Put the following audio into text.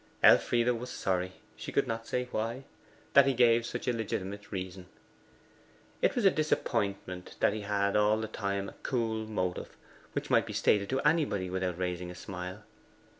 Elfride was sorry she could not tell why that he gave such a legitimate reason. It was a disappointment that he had all the time a cool motive, which might be stated to anybody without raising a smile.